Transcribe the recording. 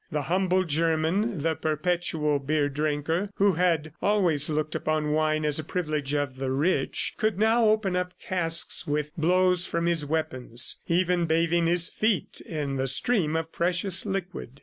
The humble German, the perpetual beer drinker, who had always looked upon wine as a privilege of the rich, could now open up casks with blows from his weapons, even bathing his feet in the stream of precious liquid.